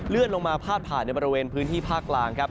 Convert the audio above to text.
ลงมาพาดผ่านในบริเวณพื้นที่ภาคกลางครับ